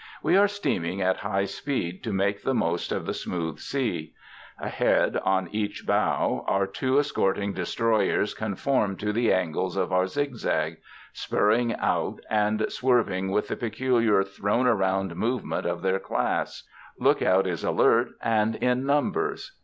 We are steaming at high speed to make the most of the smooth sea. Ahead, on each bow, our two escorting destroyers conform to the angles of our zigzag spurring out and swerving with the peculiar "thrown around" movement of their class. Look out is alert and in numbers.